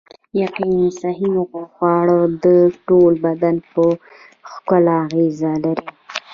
یقیناً صحي خواړه د ټول بدن په ښکلا اغیزه لري